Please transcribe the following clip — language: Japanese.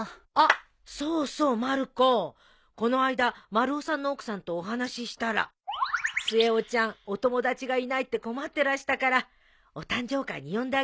この間丸尾さんの奥さんとお話ししたら末男ちゃんお友達がいないって困ってらしたからお誕生会に呼んであげなさい。